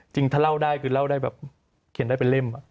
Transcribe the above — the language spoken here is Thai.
ถ้าเล่าได้คือเล่าได้แบบเขียนได้เป็นเล่ม